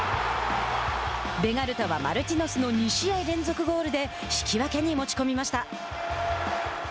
ベガルタはマルティノスの２試合連続ゴールで引き分けに持ち込みました。